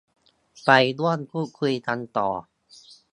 ไปร่วมพูดคุยกันต่อ